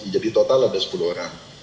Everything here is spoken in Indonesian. jadi total ada sepuluh orang